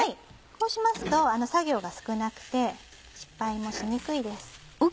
こうしますと作業が少なくて失敗もしにくいです。